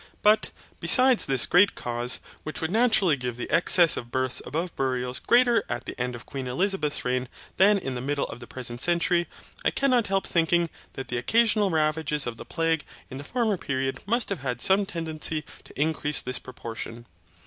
But, besides this great cause, which would naturally give the excess of births above burials greater at the end of Queen Elizabeth's reign than in the middle of the present century, I cannot help thinking that the occasional ravages of the plague in the former period must have had some tendency to increase this proportion.